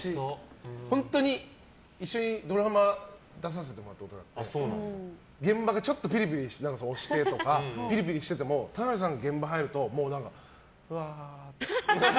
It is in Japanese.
一緒にドラマに出させてもらったことがあって現場がちょっと押してとかでピリピリしてても田辺さんが現場に入るとふわーっと。